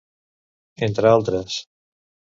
Entre altres.